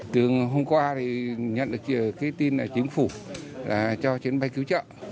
từ hôm qua thì nhận được cái tin là chính phủ cho chuyến bay cứu trợ